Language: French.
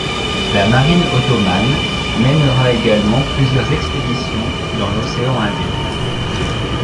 La marine ottomane mènera également plusieurs expéditions dans l'océan Indien.